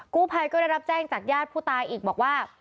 กู้ภัยก็ได้รับแจ้งจากญาติผู้ตายอีกบอกว่า